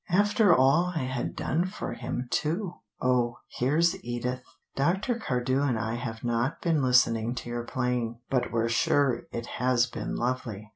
After all I had done for him, too! Oh, here's Edith; Dr. Cardew and I have not been listening to your playing, but we're sure it has been lovely.